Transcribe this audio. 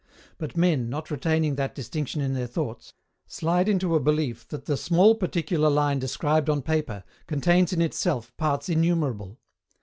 But men, not retaining that distinction in their thoughts, slide into a belief that the small particular line described on paper contains in itself parts innumerable.